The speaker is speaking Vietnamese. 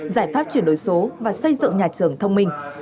giải pháp chuyển đổi số và xây dựng nhà trường thông minh